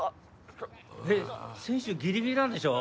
えっ選手ギリギリなんでしょ？